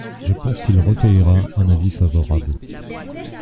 Je pense qu’il recueillera un avis favorable.